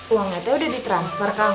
uangnya teh udah ditransfer kamu